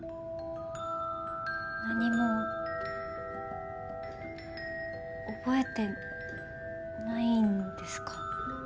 何も覚えてないんですか？